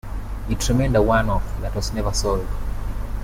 It remained a one-off that was never sold.